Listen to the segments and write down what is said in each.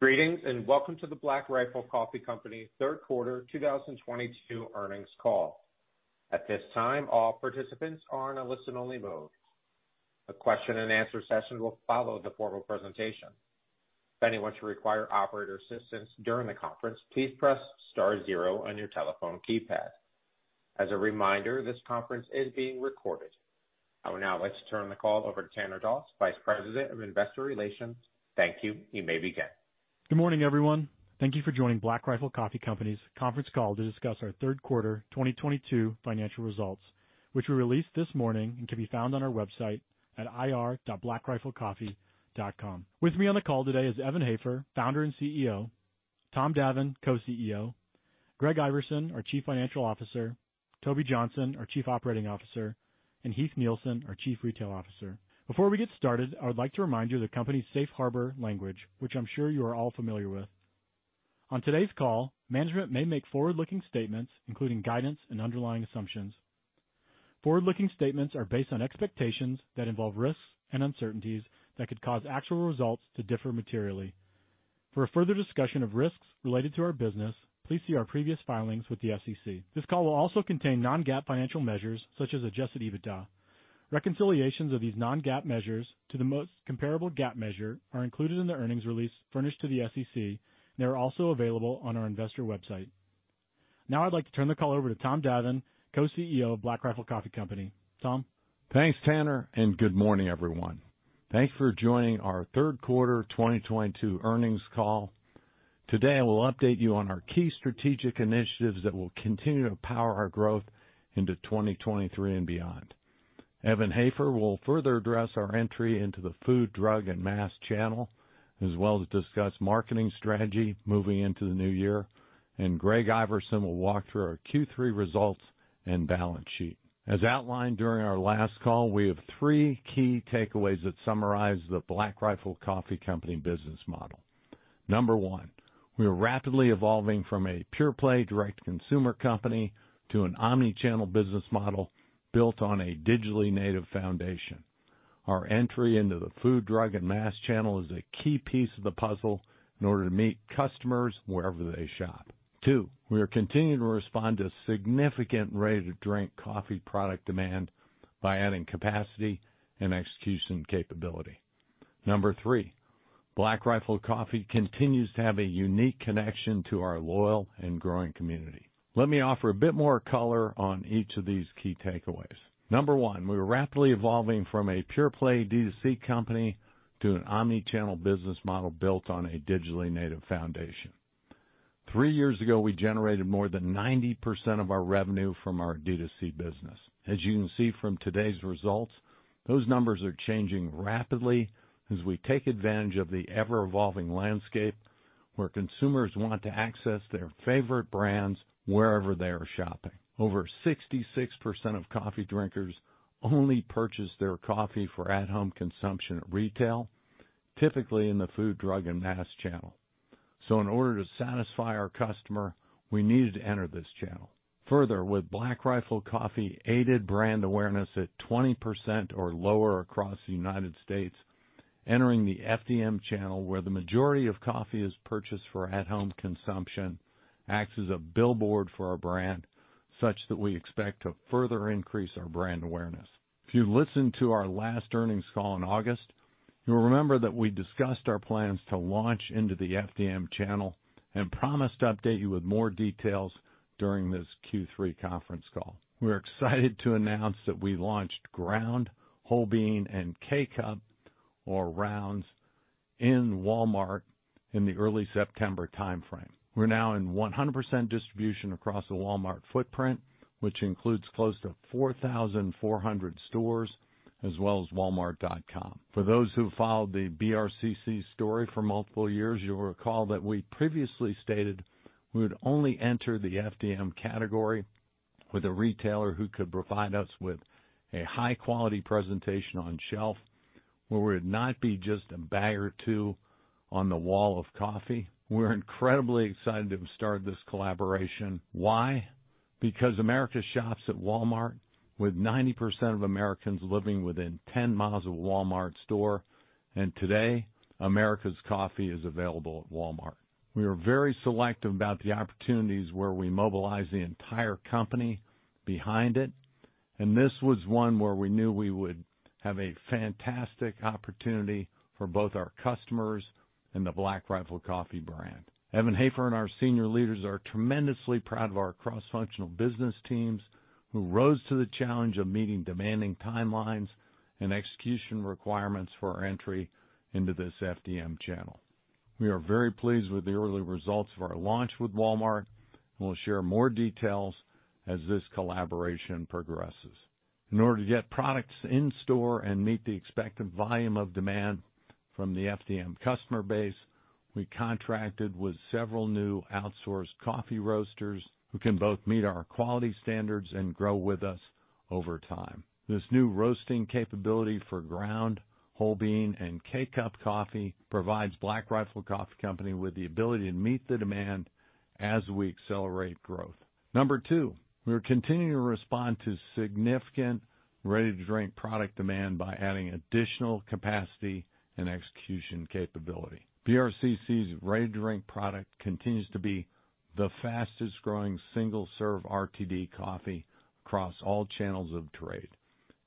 Greetings, and welcome to the Black Rifle Coffee Company third quarter 2022 earnings call. At this time, all participants are in a listen-only mode. A question and answer session will follow the formal presentation. If anyone should require operator assistance during the conference, please press star zero on your telephone keypad. As a reminder, this conference is being recorded. I would now like to turn the call over to Tanner Doss, Vice President of Investor Relations. Thank you. You may begin. Good morning, everyone. Thank you for joining Black Rifle Coffee Company's conference call to discuss our third quarter 2022 financial results, which were released this morning and can be found on our website at ir.blackriflecoffee.com. With me on the call today is Evan Hafer, Founder and CEO, Tom Davin, Co-CEO, Greg Iverson, our Chief Financial Officer, Toby Johnson, our Chief Operating Officer, and Heath Nielsen, our Chief Retail Officer. Before we get started, I would like to remind you of the company's safe harbor language, which I'm sure you are all familiar with. On today's call, management may make forward-looking statements, including guidance and underlying assumptions. Forward-looking statements are based on expectations that involve risks and uncertainties that could cause actual results to differ materially. For a further discussion of risks related to our business, please see our previous filings with the SEC. This call will also contain non-GAAP financial measures such as adjusted EBITDA. Reconciliations of these non-GAAP measures to the most comparable GAAP measure are included in the earnings release furnished to the SEC, and they are also available on our investor website. Now I'd like to turn the call over to Tom Davin, Co-CEO of Black Rifle Coffee Company. Tom? Thanks, Tanner, and good morning, everyone. Thanks for joining our third quarter 2022 earnings call. Today, I will update you on our key strategic initiatives that will continue to power our growth into 2023 and beyond. Evan Hafer will further address our entry into the food, drug, and mass channel, as well as discuss marketing strategy moving into the new year. Greg Iverson will walk through our Q3 results and balance sheet. As outlined during our last call, we have three key takeaways that summarize the Black Rifle Coffee Company business model. 1, we are rapidly evolving from a pure-play direct-to-consumer company to an omni-channel business model built on a digitally native foundation. Our entry into the food, drug, and mass channel is a key piece of the puzzle in order to meet customers wherever they shop. Two, we are continuing to respond to significant ready-to-drink coffee product demand by adding capacity and execution capability. Number three, Black Rifle Coffee continues to have a unique connection to our loyal and growing community. Let me offer a bit more color on each of these key takeaways. Number one, we are rapidly evolving from a pure-play D2C company to an omni-channel business model built on a digitally native foundation. 3 years ago, we generated more than 90% of our revenue from our D2C business. As you can see from today's results, those numbers are changing rapidly as we take advantage of the ever-evolving landscape where consumers want to access their favorite brands wherever they are shopping. Over 66% of coffee drinkers only purchase their coffee for at-home consumption at retail, typically in the food, drug, and mass channel. In order to satisfy our customer, we needed to enter this channel. Further, with Black Rifle Coffee's unaided brand awareness at 20% or lower across the United States, entering the FDM channel, where the majority of coffee is purchased for at-home consumption, acts as a billboard for our brand such that we expect to further increase our brand awareness. If you listened to our last earnings call in August, you'll remember that we discussed our plans to launch into the FDM channel and promised to update you with more details during this Q3 conference call. We're excited to announce that we launched ground, whole bean, and K-Cup, or rounds, in Walmart in the early September timeframe. We're now in 100% distribution across the Walmart footprint, which includes close to 4,400 stores as well as Walmart.com. For those who followed the BRCC's story for multiple years, you'll recall that we previously stated we would only enter the FDM category with a retailer who could provide us with a high-quality presentation on shelf, where we'd not be just a bag or two on the wall of coffee. We're incredibly excited to have started this collaboration. Why? Because America shops at Walmart, with 90% of Americans living within 10 miles of a Walmart store. Today, America's coffee is available at Walmart. We are very selective about the opportunities where we mobilize the entire company behind it, and this was one where we knew we would have a fantastic opportunity for both our customers and the Black Rifle Coffee brand. Evan Hafer and our senior leaders are tremendously proud of our cross-functional business teams who rose to the challenge of meeting demanding timelines and execution requirements for our entry into this FDM channel. We are very pleased with the early results of our launch with Walmart. We'll share more details as this collaboration progresses. In order to get products in store and meet the expected volume of demand from the FDM customer base, we contracted with several new outsourced coffee roasters who can both meet our quality standards and grow with us over time. This new roasting capability for ground, whole bean, and K-Cup coffee provides Black Rifle Coffee Company with the ability to meet the demand as we accelerate growth. Number two, we are continuing to respond to significant ready-to-drink product demand by adding additional capacity and execution capability. BRCC's ready-to-drink product continues to be the fastest growing single-serve RTD coffee across all channels of trade,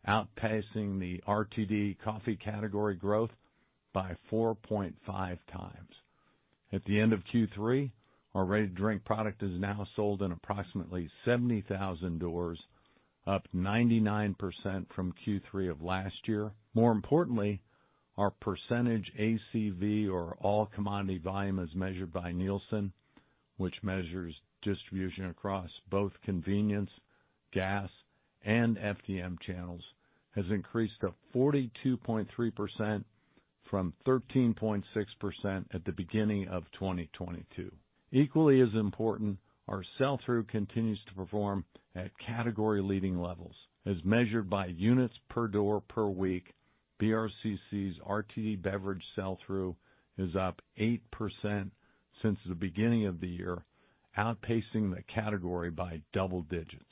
outpacing the RTD coffee category growth by 4.5 times. At the end of Q3, our ready-to-drink product is now sold in approximately 70,000 doors, up 99% from Q3 of last year. More importantly, our percentage ACV or all commodity volume as measured by Nielsen, which measures distribution across both convenience, gas, and FDM channels, has increased to 42.3% from 13.6% at the beginning of 2022. Equally as important, our sell-through continues to perform at category-leading levels as measured by units per door per week. BRCC's RTD beverage sell-through is up 8% since the beginning of the year, outpacing the category by double digits.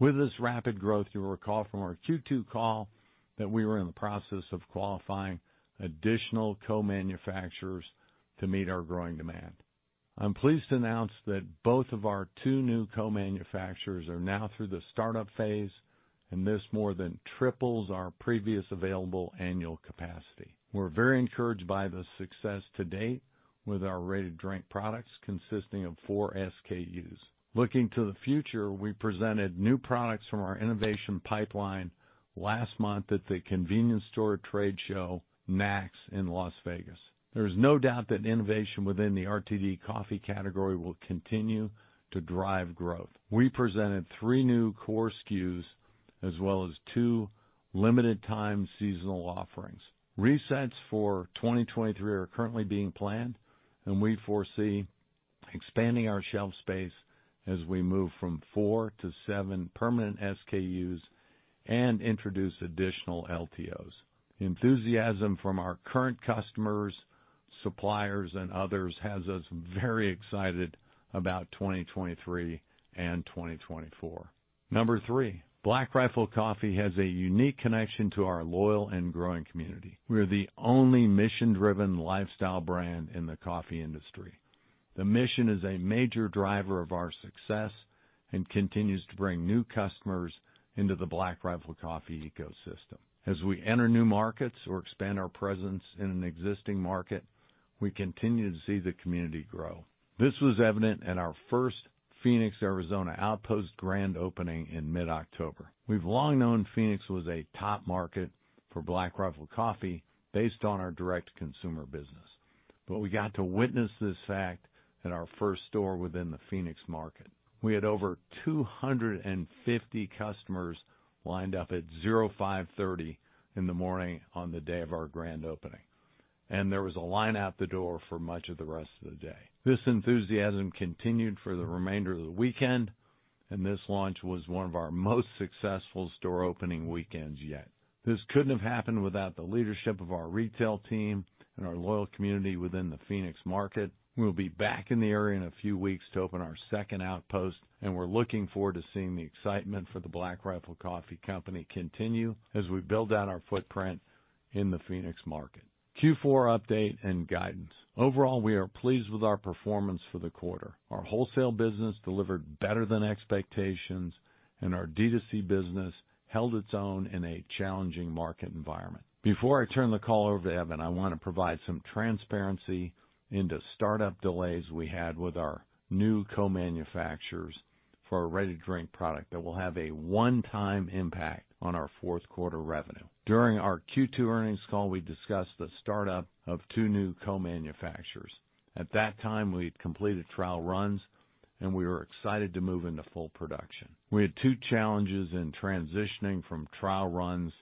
With this rapid growth, you'll recall from our Q2 call that we were in the process of qualifying additional co-manufacturers to meet our growing demand. I'm pleased to announce that both of our two new co-manufacturers are now through the startup phase, and this more than triples our previous available annual capacity. We're very encouraged by the success to date with our ready-to-drink products consisting of 4 SKUs. Looking to the future, we presented new products from our innovation pipeline last month at the convenience store trade show, NACS, in Las Vegas. There is no doubt that innovation within the RTD coffee category will continue to drive growth. We presented 3 new core SKUs as well as 2 limited time seasonal offerings. Resets for 2023 are currently being planned, and we foresee expanding our shelf space as we move from 4 to 7 permanent SKUs and introduce additional LTOs. Enthusiasm from our current customers, suppliers, and others has us very excited about 2023 and 2024. Number three, Black Rifle Coffee has a unique connection to our loyal and growing community. We are the only mission-driven lifestyle brand in the coffee industry. The mission is a major driver of our success and continues to bring new customers into the Black Rifle Coffee ecosystem. As we enter new markets or expand our presence in an existing market, we continue to see the community grow. This was evident at our first Phoenix, Arizona outpost grand opening in mid-October. We've long known Phoenix was a top market for Black Rifle Coffee based on our direct consumer business. We got to witness this fact at our first store within the Phoenix market. We had over 250 customers lined up at 5:30 a.m. on the day of our grand opening, and there was a line out the door for much of the rest of the day. This enthusiasm continued for the remainder of the weekend, and this launch was one of our most successful store opening weekends yet. This couldn't have happened without the leadership of our retail team and our loyal community within the Phoenix market. We'll be back in the area in a few weeks to open our second outpost, and we're looking forward to seeing the excitement for the Black Rifle Coffee Company continue as we build out our footprint in the Phoenix market. Q4 update and guidance. Overall, we are pleased with our performance for the quarter. Our wholesale business delivered better than expectations, and our D2C business held its own in a challenging market environment. Before I turn the call over to Evan, I want to provide some transparency into startup delays we had with our new co-manufacturers for our ready-to-drink product that will have a one-time impact on our fourth quarter revenue. During our Q2 earnings call, we discussed the startup of two new co-manufacturers. At that time, we had completed trial runs and we were excited to move into full production. We had two challenges in transitioning from trial runs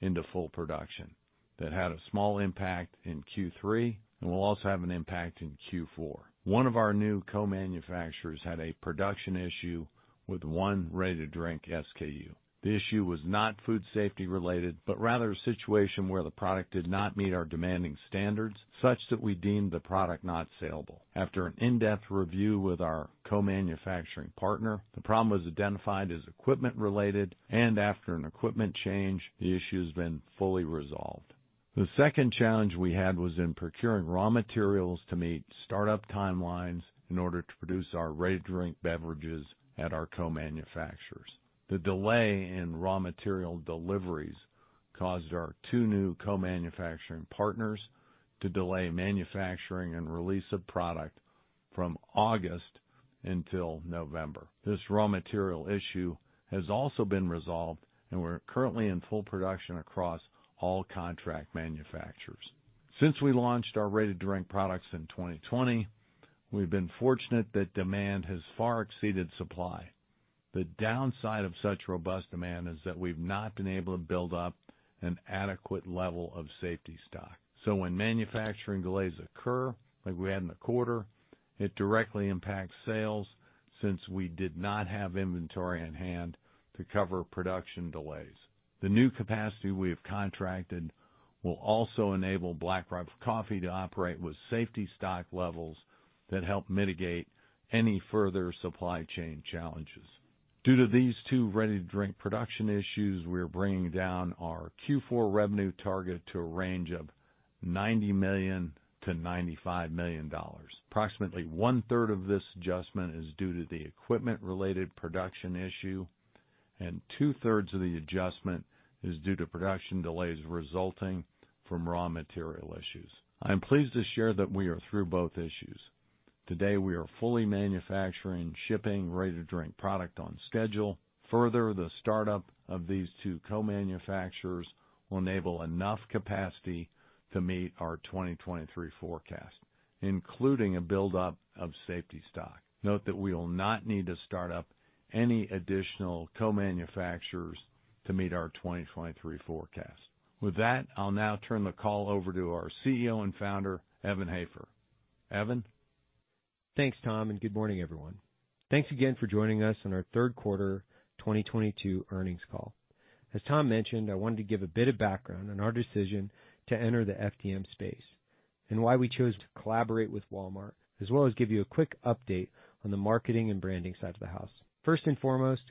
into full production that had a small impact in Q3 and will also have an impact in Q4. One of our new co-manufacturers had a production issue with one ready-to-drink SKU. The issue was not food safety related, but rather a situation where the product did not meet our demanding standards such that we deemed the product not saleable. After an in-depth review with our co-manufacturing partner, the problem was identified as equipment related and after an equipment change, the issue has been fully resolved. The second challenge we had was in procuring raw materials to meet startup timelines in order to produce our ready-to-drink beverages at our co-manufacturers. The delay in raw material deliveries caused our two new co-manufacturing partners to delay manufacturing and release of product from August until November. This raw material issue has also been resolved and we're currently in full production across all contract manufacturers. Since we launched our ready-to-drink products in 2020, we've been fortunate that demand has far exceeded supply. The downside of such robust demand is that we've not been able to build up an adequate level of safety stock. When manufacturing delays occur, like we had in the quarter, it directly impacts sales since we did not have inventory in hand to cover production delays. The new capacity we have contracted will also enable Black Rifle Coffee to operate with safety stock levels that help mitigate any further supply chain challenges. Due to these two ready-to-drink production issues, we're bringing down our Q4 revenue target to a range of $90 million-$95 million. Approximately one-third of this adjustment is due to the equipment-related production issue, and two-thirds of the adjustment is due to production delays resulting from raw material issues. I'm pleased to share that we are through both issues. Today, we are fully manufacturing, shipping ready-to-drink product on schedule. Further, the startup of these two co-manufacturers will enable enough capacity to meet our 2023 forecast, including a buildup of safety stock. Note that we will not need to start up any additional co-manufacturers to meet our 2023 forecast. With that, I'll now turn the call over to our CEO and founder, Evan Hafer. Evan? Thanks, Tom, and good morning, everyone. Thanks again for joining us on our third quarter 2022 earnings call. As Tom mentioned, I wanted to give a bit of background on our decision to enter the FDM space and why we chose to collaborate with Walmart, as well as give you a quick update on the marketing and branding side of the house. First and foremost,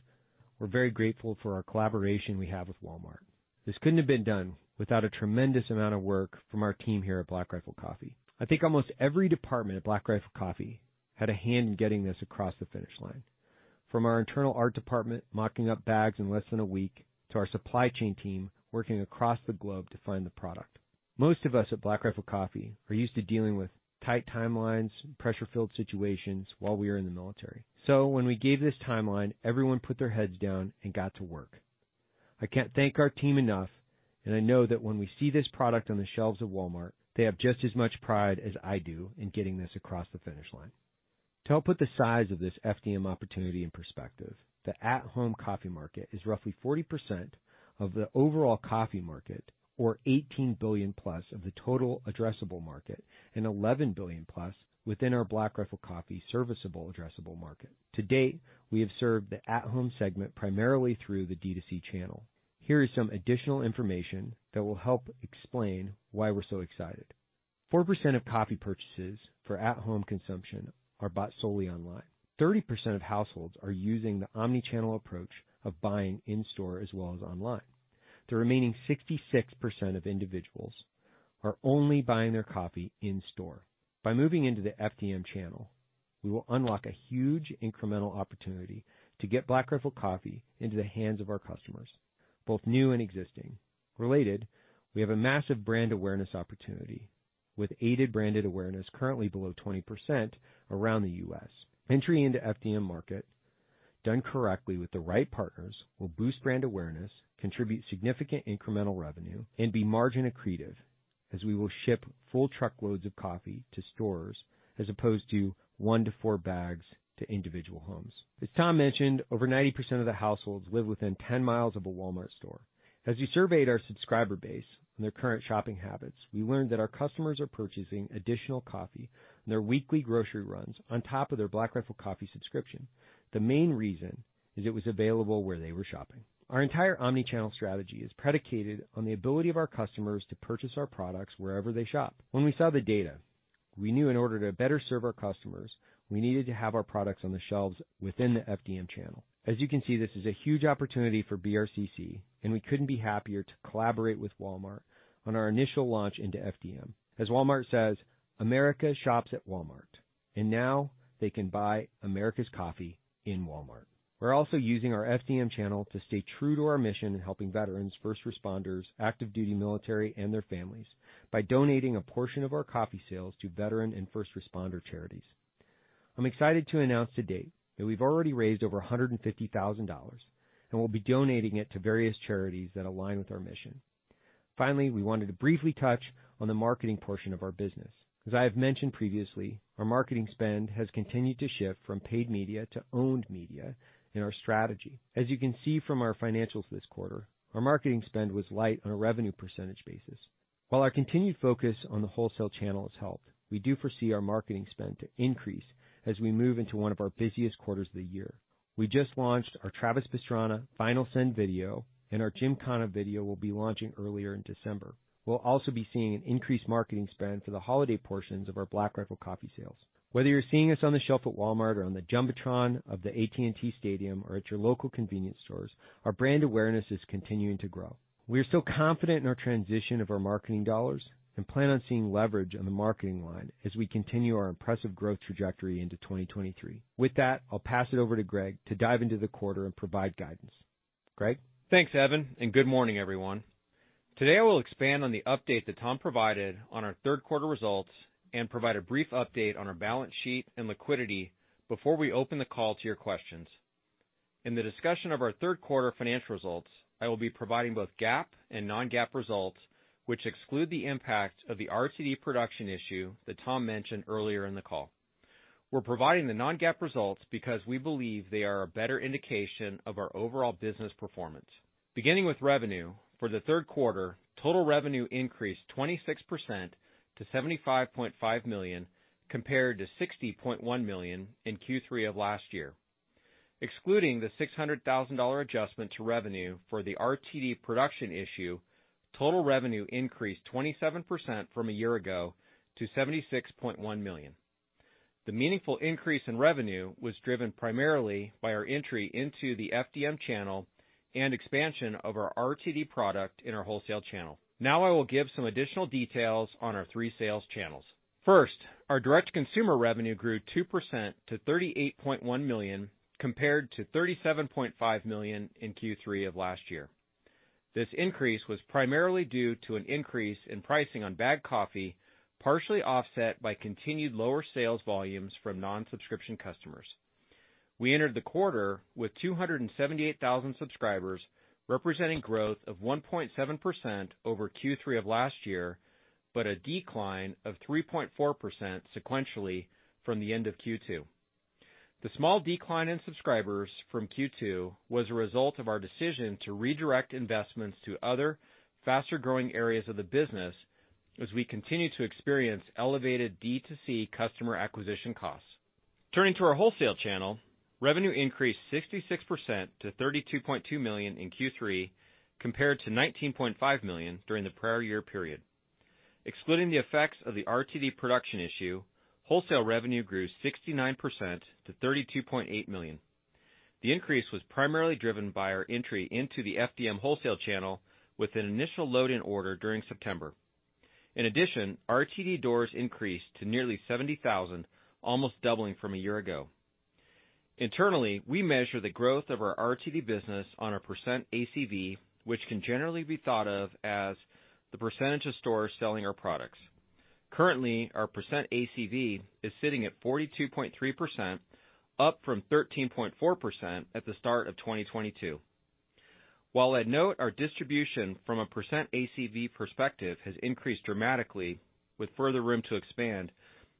we're very grateful for our collaboration we have with Walmart. This couldn't have been done without a tremendous amount of work from our team here at Black Rifle Coffee. I think almost every department at Black Rifle Coffee had a hand in getting this across the finish line. From our internal art department, mocking up bags in less than a week, to our supply chain team working across the globe to find the product. Most of us at Black Rifle Coffee are used to dealing with tight timelines and pressure-filled situations while we are in the military. When we gave this timeline, everyone put their heads down and got to work. I can't thank our team enough, and I know that when we see this product on the shelves of Walmart, they have just as much pride as I do in getting this across the finish line. To help put the size of this FDM opportunity in perspective, the at-home coffee market is roughly 40% of the overall coffee market or $18 billion-plus of the total addressable market and $11 billion-plus within our Black Rifle Coffee serviceable addressable market. To date, we have served the at-home segment primarily through the D2C channel. Here is some additional information that will help explain why we're so excited. 4% of coffee purchases for at-home consumption are bought solely online. 30% of households are using the omnichannel approach of buying in-store as well as online. The remaining 66% of individuals are only buying their coffee in store. By moving into the FDM channel, we will unlock a huge incremental opportunity to get Black Rifle Coffee into the hands of our customers, both new and existing. Related, we have a massive brand awareness opportunity with aided branded awareness currently below 20% around the U.S. Entry into FDM market, done correctly with the right partners, will boost brand awareness, contribute significant incremental revenue, and be margin accretive as we will ship full truckloads of coffee to stores as opposed to one to four bags to individual homes. As Tom mentioned, over 90% of the households live within 10 miles of a Walmart store. As we surveyed our subscriber base on their current shopping habits, we learned that our customers are purchasing additional coffee on their weekly grocery runs on top of their Black Rifle Coffee subscription. The main reason is it was available where they were shopping. Our entire omnichannel strategy is predicated on the ability of our customers to purchase our products wherever they shop. When we saw the data, we knew in order to better serve our customers, we needed to have our products on the shelves within the FDM channel. As you can see, this is a huge opportunity for BRCC, and we couldn't be happier to collaborate with Walmart on our initial launch into FDM. As Walmart says, "America shops at Walmart," and now they can buy America's coffee in Walmart. We're also using our FDM channel to stay true to our mission in helping veterans, first responders, active duty military, and their families by donating a portion of our coffee sales to veteran and first responder charities. I'm excited to announce to date that we've already raised over $150,000, and we'll be donating it to various charities that align with our mission. Finally, we wanted to briefly touch on the marketing portion of our business. As I have mentioned previously, our marketing spend has continued to shift from paid media to owned media in our strategy. As you can see from our financials this quarter, our marketing spend was light on a revenue percentage basis. While our continued focus on the wholesale channel has helped, we do foresee our marketing spend to increase as we move into one of our busiest quarters of the year. We just launched our Travis Pastrana final send video, and our Jim Cannon video will be launching earlier in December. We'll also be seeing an increased marketing spend for the holiday portions of our Black Rifle Coffee sales. Whether you're seeing us on the shelf at Walmart or on the jumbotron of the AT&T Stadium or at your local convenience stores, our brand awareness is continuing to grow. We are so confident in our transition of our marketing dollars and plan on seeing leverage on the marketing line as we continue our impressive growth trajectory into 2023. With that, I'll pass it over to Greg to dive into the quarter and provide guidance. Greg? Thanks, Evan, and good morning, everyone. Today, I will expand on the update that Tom provided on our third quarter results and provide a brief update on our balance sheet and liquidity before we open the call to your questions. In the discussion of our third quarter financial results, I will be providing both GAAP and non-GAAP results, which exclude the impact of the RTD production issue that Tom mentioned earlier in the call. We're providing the non-GAAP results because we believe they are a better indication of our overall business performance. Beginning with revenue, for the third quarter, total revenue increased 26% to $75.5 million compared to $60.1 million in Q3 of last year. Excluding the $600,000 adjustment to revenue for the RTD production issue, total revenue increased 27% from a year ago to $76.1 million. The meaningful increase in revenue was driven primarily by our entry into the FDM channel and expansion of our RTD product in our wholesale channel. Now I will give some additional details on our three sales channels. First, our direct-to-consumer revenue grew 2% to $38.1 million, compared to $37.5 million in Q3 of last year. This increase was primarily due to an increase in pricing on bagged coffee, partially offset by continued lower sales volumes from non-subscription customers. We entered the quarter with 278,000 subscribers, representing growth of 1.7% over Q3 of last year, but a decline of 3.4% sequentially from the end of Q2. The small decline in subscribers from Q2 was a result of our decision to redirect investments to other faster-growing areas of the business as we continue to experience elevated D2C customer acquisition costs. Turning to our wholesale channel, revenue increased 66% to $32.2 million in Q3, compared to $19.5 million during the prior year period. Excluding the effects of the RTD production issue, wholesale revenue grew 69% to $32.8 million. The increase was primarily driven by our entry into the FDM wholesale channel with an initial load-in order during September. In addition, RTD doors increased to nearly 70,000, almost doubling from a year ago. Internally, we measure the growth of our RTD business on a percent ACV, which can generally be thought of as the percentage of stores selling our products. Currently, our percent ACV is sitting at 42.3%, up from 13.4% at the start of 2022. While I'd note our distribution from a percent ACV perspective has increased dramatically with further room to expand,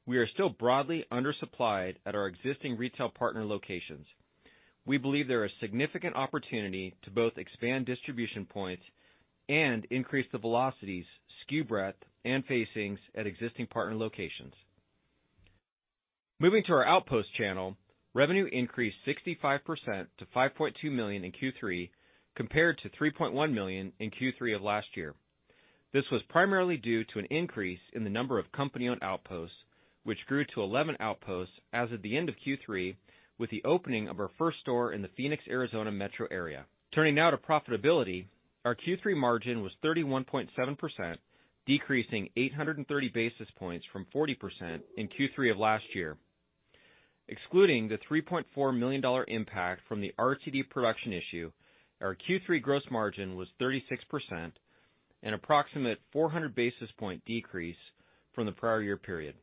we are still broadly undersupplied at our existing retail partner locations. We believe there is significant opportunity to both expand distribution points and increase the velocities, SKU breadth, and facings at existing partner locations. Moving to our outpost channel, revenue increased 65% to $5.2 million in Q3, compared to $3.1 million in Q3 of last year. This was primarily due to an increase in the number of company-owned outposts, which grew to 11 outposts as of the end of Q3, with the opening of our first store in the Phoenix, Arizona metro area. Turning now to profitability, our Q3 margin was 31.7%, decreasing 830 basis points from 40% in Q3 of last year. Excluding the $3.4 million impact from the RTD production issue, our Q3 gross margin was 36%, an approximate 400 basis point decrease from the prior year period.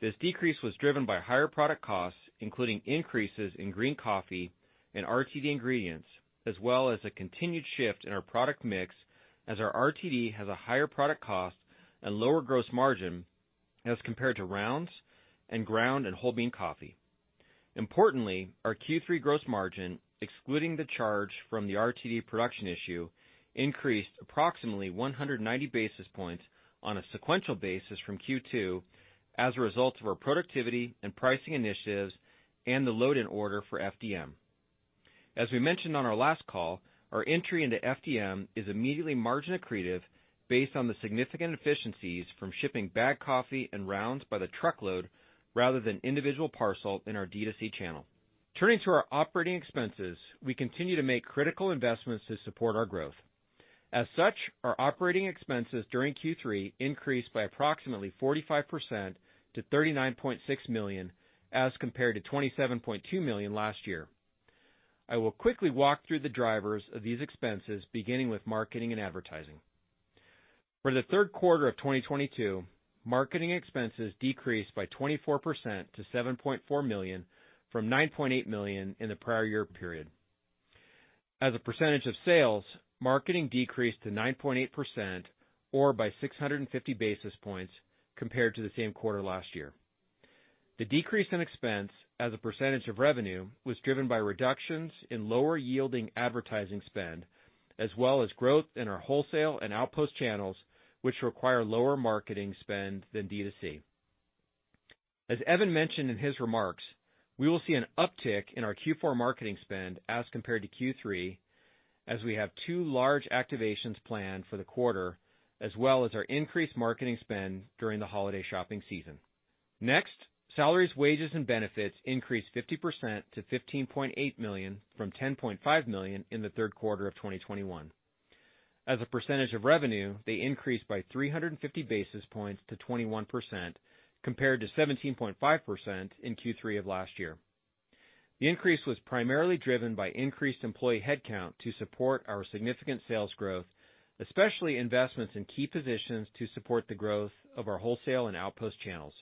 This decrease was driven by higher product costs, including increases in green coffee and RTD ingredients, as well as a continued shift in our product mix, as our RTD has a higher product cost and lower gross margin as compared to rounds and ground and whole bean coffee. Importantly, our Q3 gross margin, excluding the charge from the RTD production issue, increased approximately 190 basis points on a sequential basis from Q2 as a result of our productivity and pricing initiatives and the load-in order for FDM. As we mentioned on our last call, our entry into FDM is immediately margin accretive based on the significant efficiencies from shipping bagged coffee and rounds by the truckload rather than individual parcel in our D2C channel. Turning to our operating expenses, we continue to make critical investments to support our growth. As such, our operating expenses during Q3 increased by approximately 45% to $39.6 million as compared to $27.2 million last year. I will quickly walk through the drivers of these expenses, beginning with marketing and advertising. For the third quarter of 2022, marketing expenses decreased by 24% to $7.4 million from $9.8 million in the prior year period. As a percentage of sales, marketing decreased to 9.8% or by 650 basis points compared to the same quarter last year. The decrease in expense as a percentage of revenue was driven by reductions in lower-yielding advertising spend, as well as growth in our wholesale and outpost channels, which require lower marketing spend than D2C. As Evan mentioned in his remarks, we will see an uptick in our Q4 marketing spend as compared to Q3, as we have two large activations planned for the quarter, as well as our increased marketing spend during the holiday shopping season. Next, salaries, wages, and benefits increased 50% to $15.8 million from $10.5 million in the third quarter of 2021. As a percentage of revenue, they increased by 350 basis points to 21%, compared to 17.5% in Q3 of last year. The increase was primarily driven by increased employee headcount to support our significant sales growth, especially investments in key positions to support the growth of our wholesale and outpost channels.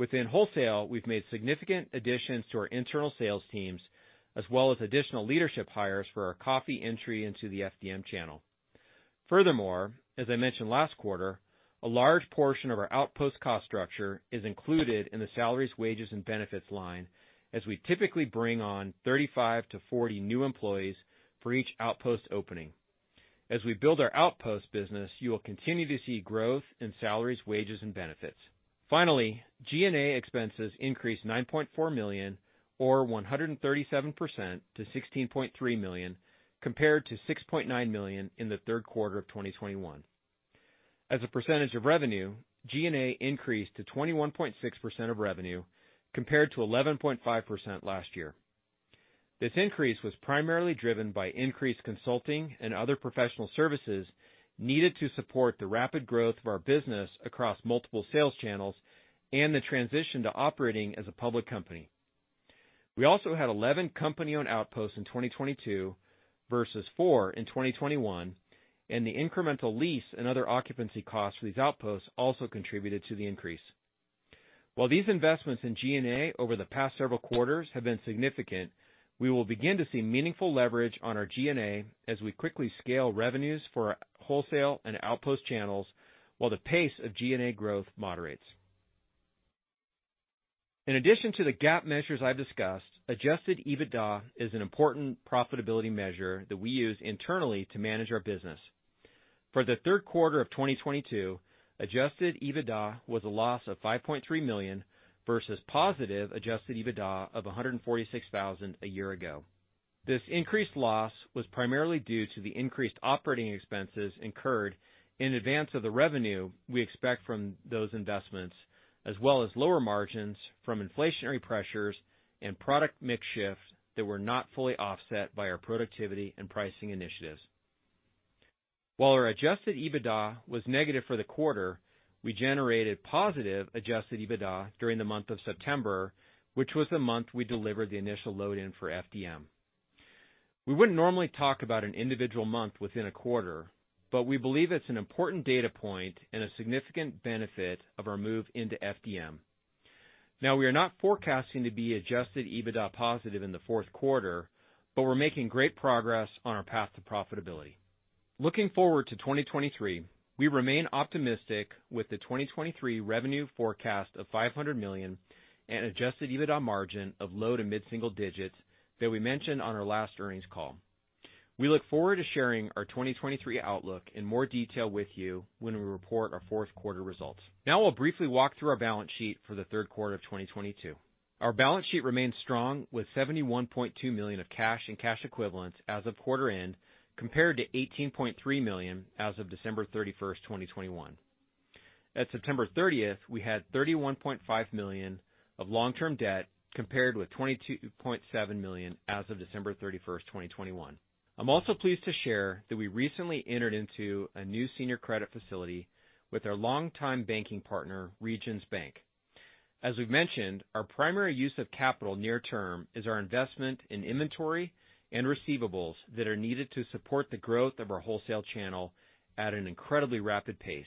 Within wholesale, we've made significant additions to our internal sales teams, as well as additional leadership hires for our coffee entry into the FDM channel. Furthermore, as I mentioned last quarter, a large portion of our outpost cost structure is included in the salaries, wages, and benefits line, as we typically bring on 35-40 new employees for each outpost opening. As we build our outpost business, you will continue to see growth in salaries, wages, and benefits. Finally, G&A expenses increased $9.4 million or 137% to $16.3 million compared to $6.9 million in the third quarter of 2021. As a percentage of revenue, G&A increased to 21.6% of revenue, compared to 11.5% last year. This increase was primarily driven by increased consulting and other professional services needed to support the rapid growth of our business across multiple sales channels and the transition to operating as a public company. We also had 11 company-owned outposts in 2022 versus four in 2021, and the incremental lease and other occupancy costs for these outposts also contributed to the increase. While these investments in G&A over the past several quarters have been significant, we will begin to see meaningful leverage on our G&A as we quickly scale revenues for our wholesale and outpost channels, while the pace of G&A growth moderates. In addition to the GAAP measures I've discussed, adjusted EBITDA is an important profitability measure that we use internally to manage our business. For the third quarter of 2022, adjusted EBITDA was a loss of $5.3 million versus positive adjusted EBITDA of $146,000 a year ago. This increased loss was primarily due to the increased operating expenses incurred in advance of the revenue we expect from those investments, as well as lower margins from inflationary pressures and product mix shifts that were not fully offset by our productivity and pricing initiatives. While our adjusted EBITDA was negative for the quarter, we generated positive adjusted EBITDA during the month of September, which was the month we delivered the initial load-in for FDM. We wouldn't normally talk about an individual month within a quarter, but we believe it's an important data point and a significant benefit of our move into FDM. Now, we are not forecasting to be adjusted EBITDA positive in the fourth quarter, but we're making great progress on our path to profitability. Looking forward to 2023, we remain optimistic with the 2023 revenue forecast of $500 million and adjusted EBITDA margin of low- to mid-single digits% that we mentioned on our last earnings call. We look forward to sharing our 2023 outlook in more detail with you when we report our fourth quarter results. Now we'll briefly walk through our balance sheet for the third quarter of 2022. Our balance sheet remains strong with $71.2 million of cash and cash equivalents as of quarter end, compared to $18.3 million as of December 31, 2021. At September 30, we had $31.5 million of long-term debt, compared with $22.7 million as of December 31, 2021. I'm also pleased to share that we recently entered into a new senior credit facility with our longtime banking partner, Regions Bank. As we've mentioned, our primary use of capital near term is our investment in inventory and receivables that are needed to support the growth of our wholesale channel at an incredibly rapid pace.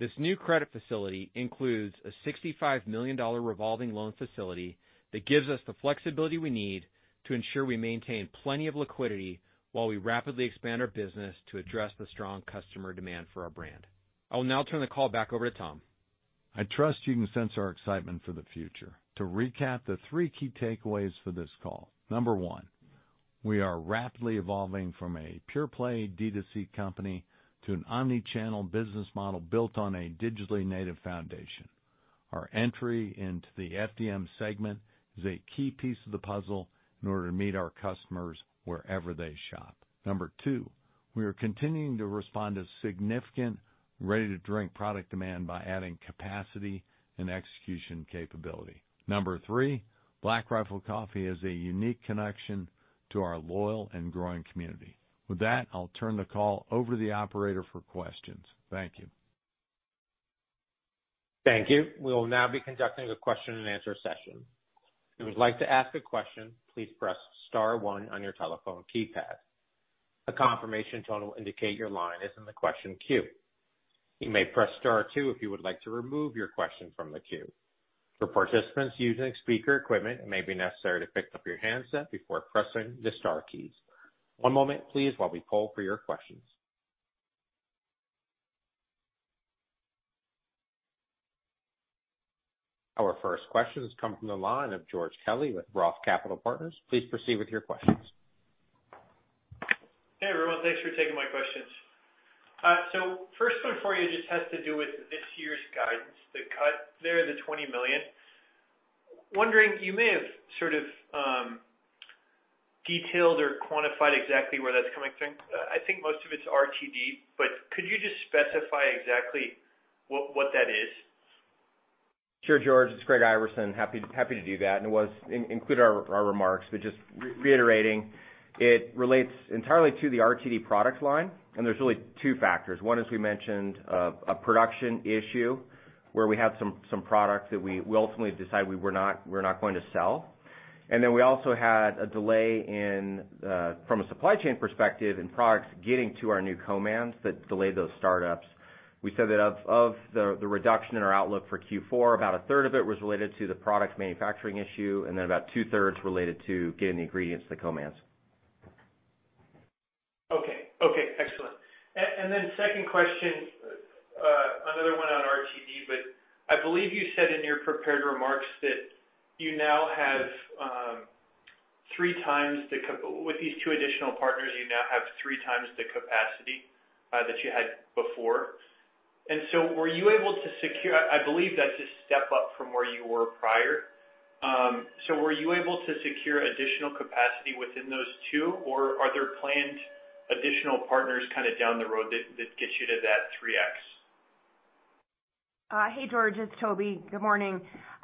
This new credit facility includes a $65 million revolving loan facility that gives us the flexibility we need to ensure we maintain plenty of liquidity while we rapidly expand our business to address the strong customer demand for our brand. I will now turn the call back over to Tom. I trust you can sense our excitement for the future. To recap the three key takeaways for this call. Number one, we are rapidly evolving from a pure-play D2C company to an omnichannel business model built on a digitally native foundation. Our entry into the FDM segment is a key piece of the puzzle in order to meet our customers wherever they shop. Number two, we are continuing to respond to significant ready-to-drink product demand by adding capacity and execution capability. Number three, Black Rifle Coffee has a unique connection to our loyal and growing community. With that, I'll turn the call over to the operator for questions. Thank you. Thank you. We will now be conducting a question-and-answer session. If you would like to ask a question, please press star one on your telephone keypad. A confirmation tone will indicate your line is in the question queue. You may press Star two if you would like to remove your question from the queue. For participants using speaker equipment, it may be necessary to pick up your handset before pressing the star keys. One moment please while we poll for your questions. Our first question has come from the line of George Kelly with ROTH Capital Partners. Please proceed with your questions. Hey, everyone. Thanks for taking my questions. First one for you just has to do with this year's guidance, the cut there, the $20 million. Wondering, you may have sort of detailed or quantified exactly where that's coming from. I think most of it's RTD, but could you just specify exactly what that is? Sure, George. It's Greg Iverson. Happy to do that. It was included in our remarks, but just reiterating, it relates entirely to the RTD product line, and there's really two factors. One, as we mentioned, a production issue where we had some products that we ultimately decided we're not going to sell. Then we also had a delay from a supply chain perspective in products getting to our new co-mans that delayed those startups. We said that of the reduction in our outlook for Q4, about a third of it was related to the product manufacturing issue, and then about two-thirds related to getting the ingredients to the co-mans. Okay. Okay, excellent. Then second question, another one on RTD. I believe you said in your prepared remarks that you now have, with these two additional partners, 3 times the capacity that you had before. I believe that's a step up from where you were prior. Were you able to secure additional capacity within those two, or are there planned additional partners down the road that gets you to that 3X? Hey, George, it's Toby. Good morning.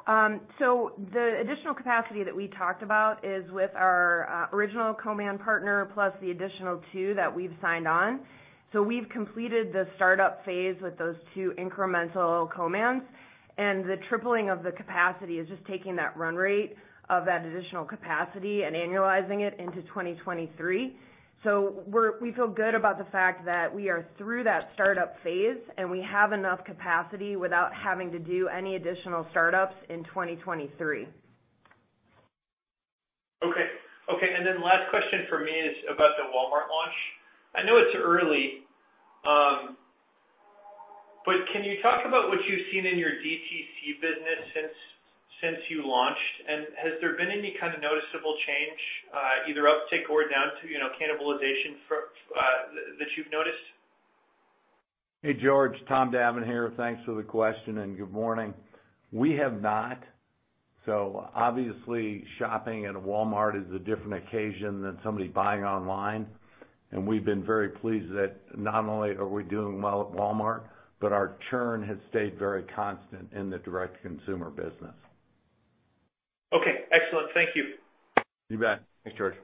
The additional capacity that we talked about is with our original co-man partner plus the additional 2 that we've signed on. We've completed the startup phase with those 2 incremental co-mans, and the tripling of the capacity is just taking that run rate of that additional capacity and annualizing it into 2023. We feel good about the fact that we are through that startup phase, and we have enough capacity without having to do any additional startups in 2023. Okay. Last question from me is about the Walmart launch. I know it's early, but can you talk about what you've seen in your DTC business since you launched? Has there been any kind of noticeable change, either uptake or downside to cannibalization that you've noticed? Hey, George, Tom Davin here. Thanks for the question, and good morning. We have not. Obviously, shopping at a Walmart is a different occasion than somebody buying online, and we've been very pleased that not only are we doing well at Walmart, but our churn has stayed very constant in the direct-to-consumer business. Okay, excellent. Thank you. You bet. Thanks, George.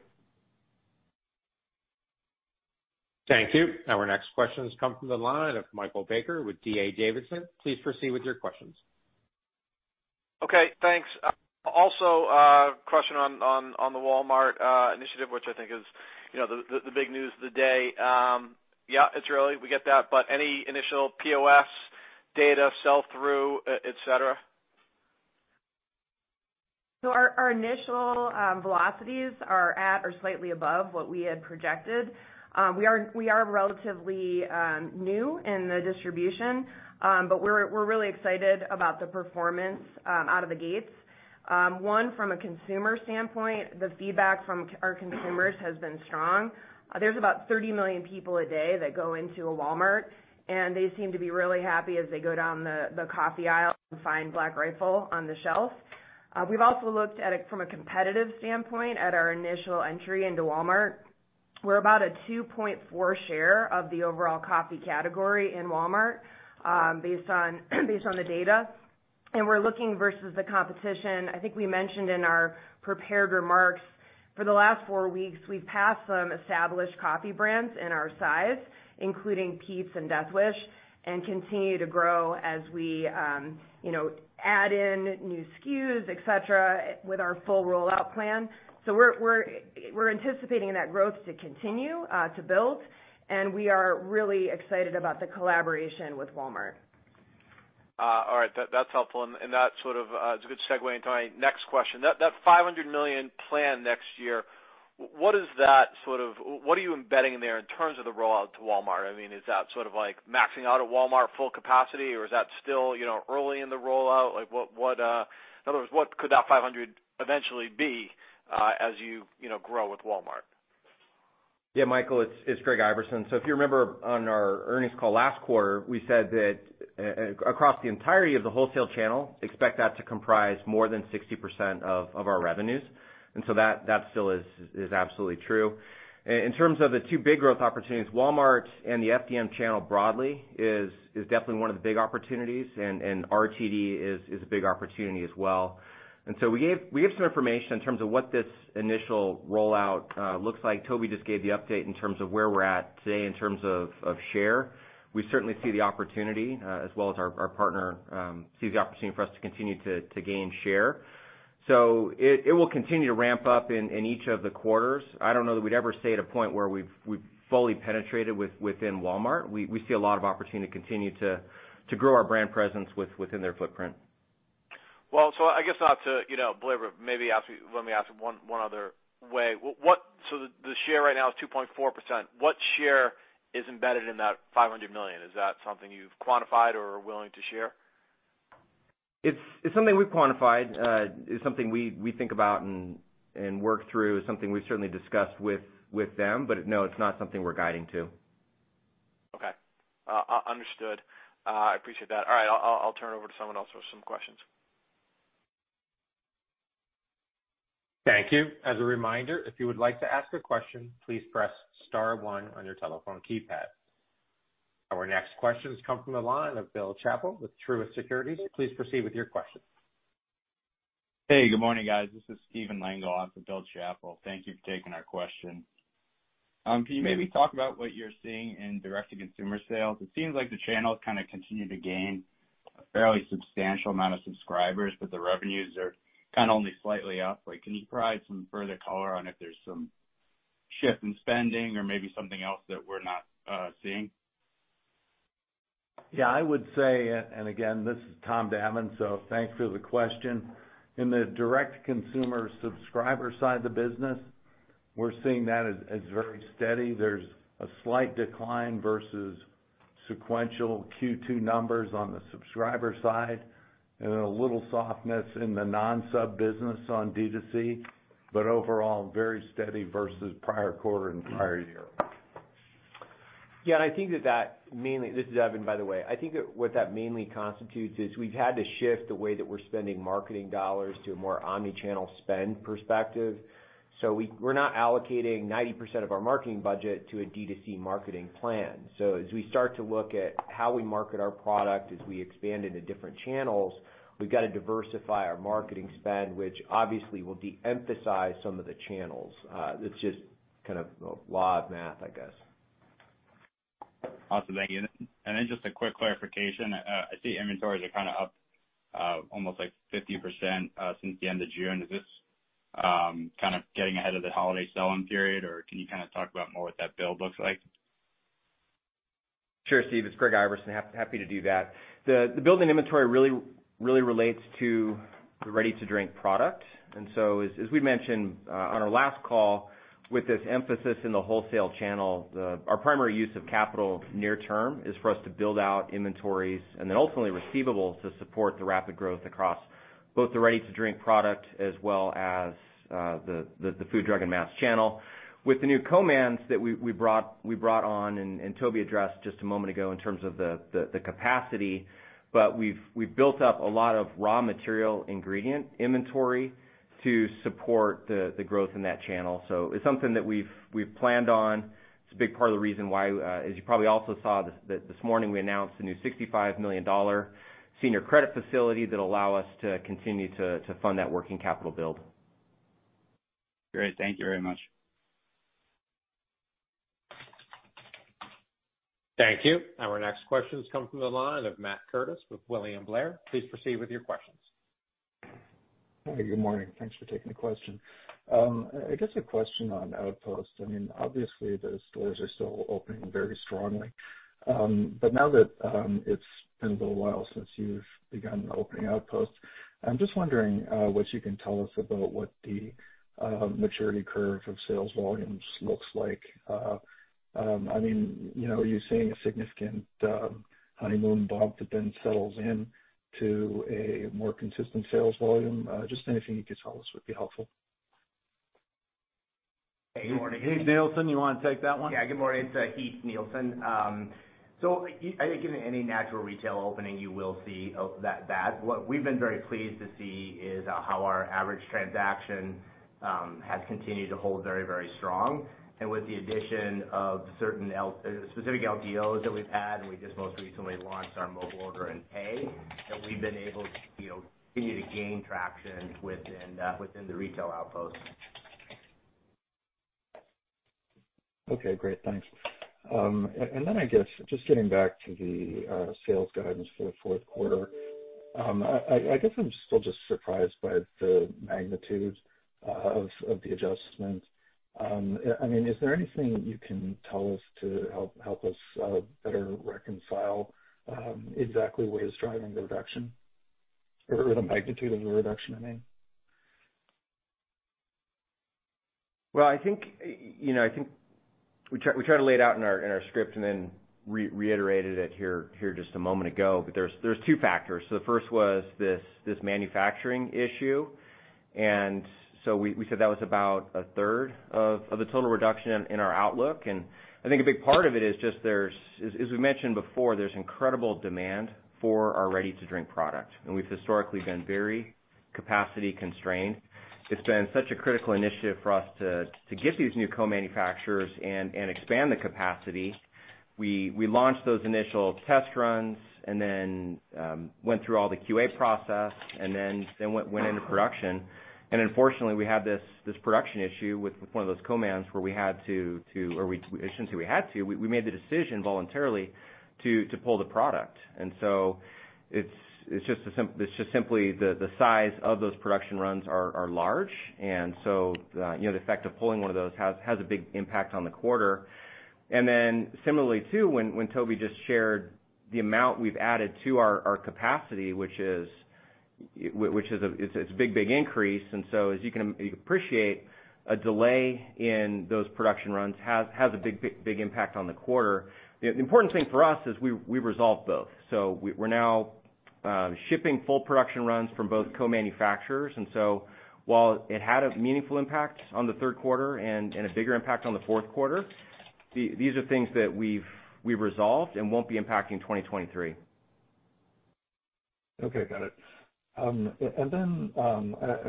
Thank you. Our next question comes from the line of Michael Baker with D.A. Davidson. Please proceed with your questions. Okay, thanks. Also, question on the Walmart initiative, which I think is, you know, the big news of the day. Yeah, it's early, we get that, but any initial POS data, sell-through, et cetera? Our initial velocities are at or slightly above what we had projected. We are relatively new in the distribution, but we're really excited about the performance out of the gates. From a consumer standpoint, the feedback from our consumers has been strong. There's about 30 million people a day that go into a Walmart, and they seem to be really happy as they go down the coffee aisle and find Black Rifle on the shelf. We've also looked at it from a competitive standpoint at our initial entry into Walmart. We're about a 2.4% share of the overall coffee category in Walmart, based on the data, and we're looking versus the competition. I think we mentioned in our prepared remarks, for the last four weeks, we've passed some established coffee brands in our size, including Peet's and Death Wish, and continue to grow as we, you know, add in new SKUs, et cetera, with our full rollout plan. We're anticipating that growth to continue to build, and we are really excited about the collaboration with Walmart. All right. That's helpful. That's sort of, it's a good segue into my next question. That five hundred million plan next year, what is that sort of, what are you embedding there in terms of the rollout to Walmart? I mean, is that sort of like maxing out a Walmart full capacity, or is that still, you know, early in the rollout? Like, what in other words, what could that five hundred eventually be, as you know, grow with Walmart? Yeah, Michael, it's Greg Iverson. If you remember on our earnings call last quarter, we said that across the entirety of the wholesale channel, expect that to comprise more than 60% of our revenues. That still is absolutely true. In terms of the two big growth opportunities, Walmart and the FDM channel broadly is definitely one of the big opportunities, and RTD is a big opportunity as well. We gave some information in terms of what this initial rollout looks like. Toby just gave the update in terms of where we're at today in terms of share. We certainly see the opportunity, as well as our partner sees the opportunity for us to continue to gain share. It will continue to ramp up in each of the quarters. I don't know that we'd ever stay at a point where we've fully penetrated within Walmart. We see a lot of opportunity to continue to grow our brand presence within their footprint. Well, I guess not to, you know, belabor, maybe ask you, let me ask one other way. What, so the share right now is 2.4%. What share is embedded in that $500 million? Is that something you've quantified or are willing to share? It's something we've quantified. It's something we think about and work through, something we've certainly discussed with them. No, it's not something we're guiding to. Okay. Understood. I appreciate that. All right. I'll turn it over to someone else who has some questions. Thank you. As a reminder, if you would like to ask a question, please press star one on your telephone keypad. Our next question comes from the line of Bill Chappell with Truist Securities. Please proceed with your question. Hey, good morning, guys. This is Steven Lanza. I'm for Bill Chappell. Thank you for taking our question. Can you maybe talk about what you're seeing in direct-to-consumer sales? It seems like the channel is kinda continue to gain a fairly substantial amount of subscribers, but the revenues are kind of only slightly up. Like, can you provide some further color on if there's some shift in spending or maybe something else that we're not seeing? Yeah, I would say, and again, this is Tom Davin, so thanks for the question. In the direct-to-consumer subscriber side of the business, we're seeing that as very steady. There's a slight decline versus sequential Q2 numbers on the subscriber side and a little softness in the non-sub business on D2C, but overall, very steady versus prior quarter and prior year. Yeah, I think that mainly. This is Evan, by the way. I think that what that mainly constitutes is we've had to shift the way that we're spending marketing dollars to a more omni-channel spend perspective. We're not allocating 90% of our marketing budget to a D2C marketing plan. As we start to look at how we market our product, as we expand into different channels, we've got to diversify our marketing spend, which obviously will de-emphasize some of the channels. It's just kind of the law of math, I guess. Awesome. Thank you. Just a quick clarification. I see inventories are kind of up, almost like 50%, since the end of June. Is this kind of getting ahead of the holiday sell-in period? Or can you kind of talk about more what that build looks like? Sure, Steve. It's Greg Iverson. Happy to do that. The build in inventory really relates to the ready-to-drink product. As we mentioned on our last call with this emphasis in the wholesale channel, our primary use of capital near term is for us to build out inventories and then ultimately receivables to support the rapid growth across both the ready-to-drink product as well as the food, drug, and mass channel. With the new co-mans that we brought on, Toby addressed just a moment ago in terms of the capacity, we've built up a lot of raw material ingredient inventory to support the growth in that channel. It's something that we've planned on. It's a big part of the reason why, as you probably also saw this morning, we announced a new $65 million senior credit facility that'll allow us to continue to fund that working capital build. Great. Thank you very much. Thank you. Our next question comes from the line of Matt Curtis with William Blair. Please proceed with your questions. Hi, good morning. Thanks for taking the question. I guess a question on Outposts. I mean, obviously, the stores are still opening very strongly. Now that it's been a little while since you've begun opening Outposts, I'm just wondering what you can tell us about what the maturity curve of sales volumes looks like. I mean, you know, are you seeing a significant honeymoon bump that then settles in to a more consistent sales volume? Just anything you could tell us would be helpful. Good morning. Heath Nielsen, you wanna take that one? Yeah. Good morning. It's Heath Nielsen. I think in any natural retail opening, you will see of that. What we've been very pleased to see is how our average transaction has continued to hold very, very strong. With the addition of certain specific LTO that we've had, and we just most recently launched our mobile order and pay, and we've been able to, you know, continue to gain traction within the retail outposts. Okay, great. Thanks. I guess, just getting back to the sales guidance for the fourth quarter, I guess I'm still just surprised by the magnitude of the adjustment. I mean, is there anything you can tell us to help us better reconcile exactly what is driving the reduction or the magnitude of the reduction, I mean? Well, I think, you know, I think we try to lay it out in our script, and then reiterated it here just a moment ago. There's two factors. The first was this manufacturing issue. We said that was about a third of the total reduction in our outlook. I think a big part of it is just there's, as we mentioned before, there's incredible demand for our ready-to-drink product, and we've historically been very capacity constrained. It's been such a critical initiative for us to get these new co-manufacturers and expand the capacity. We launched those initial test runs and then went through all the QA process and then went into production. Unfortunately, we had this production issue with one of those K-Cups where we had to, or I shouldn't say we had to, we made the decision voluntarily to pull the product. It's just simply the size of those production runs are large. You know, the effect of pulling one of those has a big impact on the quarter. Similarly, too, when Toby just shared the amount we've added to our capacity, which is a—it's a big increase. As you can appreciate, a delay in those production runs has a big impact on the quarter. The important thing for us is we resolved both. We're now shipping full production runs from both co-manufacturers. While it had a meaningful impact on the third quarter and a bigger impact on the fourth quarter, these are things that we've resolved and won't be impacting 2023. Okay, got it. I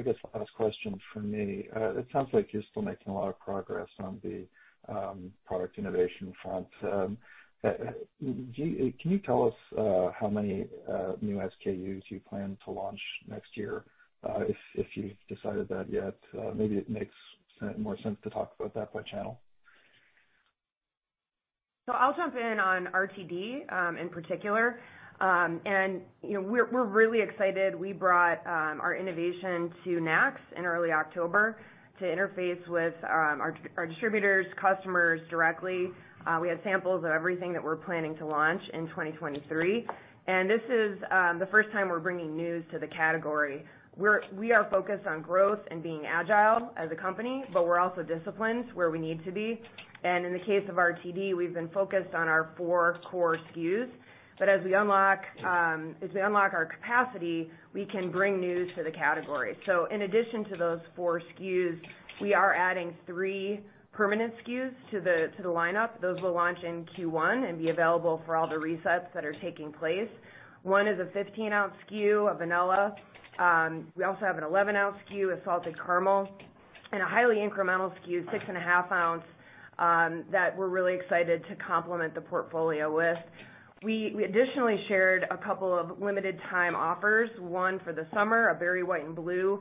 guess last question from me. It sounds like you're still making a lot of progress on the product innovation front. Can you tell us how many new SKUs you plan to launch next year, if you've decided that yet? Maybe it makes more sense to talk about that by channel. I'll jump in on RTD, in particular. You know, we're really excited. We brought our innovation to NACS in early October to interface with our distributors, customers directly. We had samples of everything that we're planning to launch in 2023, and this is the first time we're bringing news to the category. We are focused on growth and being agile as a company, but we're also disciplined where we need to be. In the case of RTD, we've been focused on our 4 core SKUs. But as we unlock our capacity, we can bring news to the category. In addition to those 4 SKUs, we are adding 3 permanent SKUs to the lineup. Those will launch in Q1 and be available for all the resets that are taking place. One is a 15-ounce SKU of vanilla. We also have an 11-ounce SKU of salted caramel. A highly incremental SKU, 6.5-ounce, that we're really excited to complement the portfolio with. We additionally shared a couple of limited time offers. One for the summer, a berry white and blue,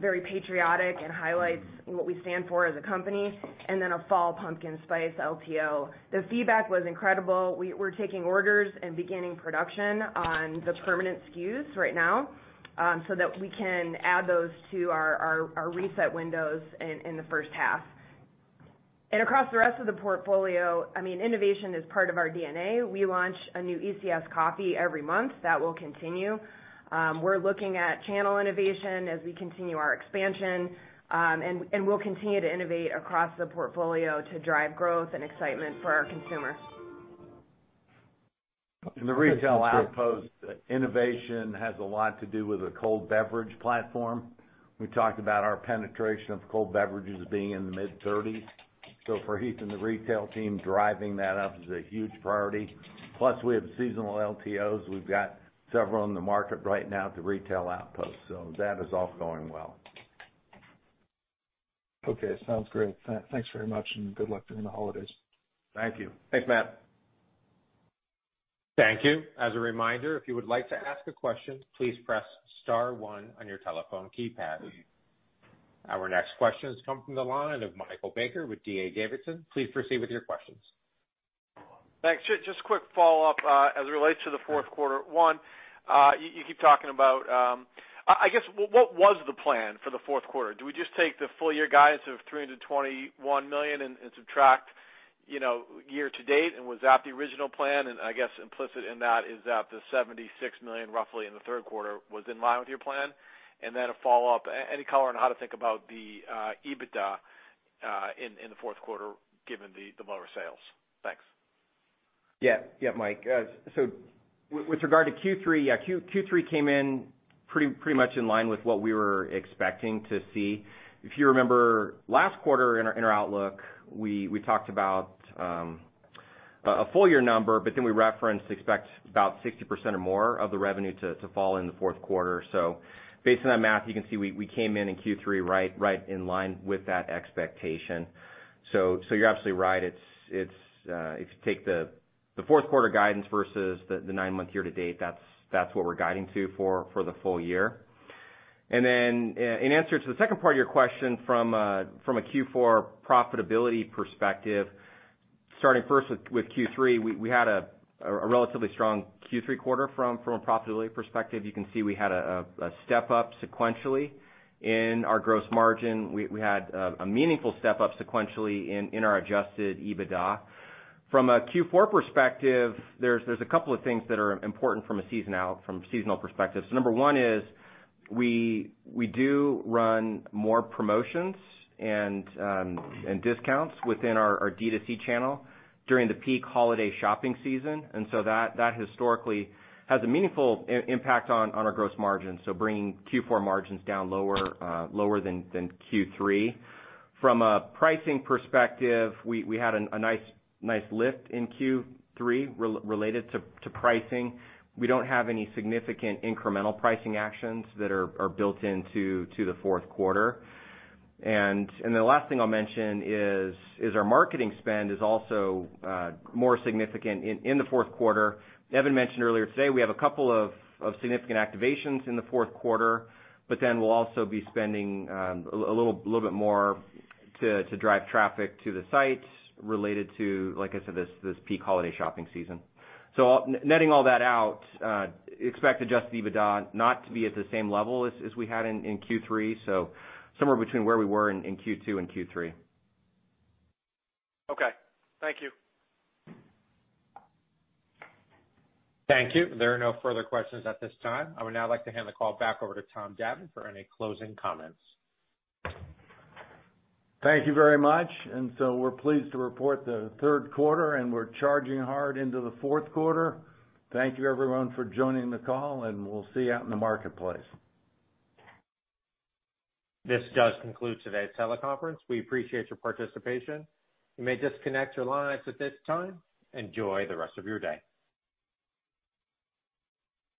very patriotic and highlights what we stand for as a company, and then a fall pumpkin spice LTO. The feedback was incredible. We're taking orders and beginning production on the permanent SKUs right now, so that we can add those to our reset windows in the first half. Across the rest of the portfolio, I mean, innovation is part of our DNA. We launch a new ECS coffee every month. That will continue. We're looking at channel innovation as we continue our expansion. And we'll continue to innovate across the portfolio to drive growth and excitement for our consumers. In the retail outpost, innovation has a lot to do with a cold beverage platform. We talked about our penetration of cold beverages being in the mid-30s%. For Heath and the retail team, driving that up is a huge priority. Plus, we have seasonal LTOs. We've got several on the market right now at the retail outpost, so that is all going well. Okay, sounds great. Thanks very much, and good luck during the holidays. Thank you. Thanks, Matt. Thank you. As a reminder, if you would like to ask a question, please press star one on your telephone keypad. Our next question has come from the line of Michael Baker with D.A. Davidson. Please proceed with your questions. Thanks. Just quick follow-up as it relates to the fourth quarter. One, you keep talking about. I guess what was the plan for the fourth quarter? Do we just take the full year guidance of $321 million and subtract, you know, year to date? Was that the original plan? I guess implicit in that is that the $76 million, roughly, in the third quarter was in line with your plan. Then a follow-up, any color on how to think about the EBITDA in the fourth quarter given the lower sales. Thanks. Yeah. Yeah, Mike. With regard to Q3, yeah, Q3 came in pretty much in line with what we were expecting to see. If you remember last quarter in our outlook, we talked about a full year number, but then we referenced expecting about 60% or more of the revenue to fall in the fourth quarter. Based on that math, you can see we came in Q3 right in line with that expectation. You're absolutely right. It's if you take the fourth quarter guidance versus the nine-month year-to-date, that's what we're guiding to for the full year. In answer to the second part of your question from a Q4 profitability perspective, starting first with Q3, we had a relatively strong Q3 quarter from a profitability perspective. You can see we had a step up sequentially in our gross margin. We had a meaningful step up sequentially in our adjusted EBITDA. From a Q4 perspective, there's a couple of things that are important from a seasonal perspective. Number one is we do run more promotions and discounts within our D2C channel during the peak holiday shopping season, and so that historically has a meaningful impact on our gross margin, so bringing Q4 margins down lower than Q3. From a pricing perspective, we had a nice lift in Q3 related to pricing. We don't have any significant incremental pricing actions that are built into the fourth quarter. The last thing I'll mention is our marketing spend is also more significant in the fourth quarter. Evan mentioned earlier today we have a couple of significant activations in the fourth quarter, but then we'll also be spending a little bit more to drive traffic to the sites related to, like I said, this peak holiday shopping season. Netting all that out, expect adjusted EBITDA not to be at the same level as we had in Q3, so somewhere between where we were in Q2 and Q3. Okay. Thank you. Thank you. There are no further questions at this time. I would now like to hand the call back over to Tom Davin for any closing comments. Thank you very much. We're pleased to report the third quarter, and we're charging hard into the fourth quarter. Thank you everyone for joining the call, and we'll see you out in the marketplace. This does conclude today's teleconference. We appreciate your participation. You may disconnect your lines at this time. Enjoy the rest of your day.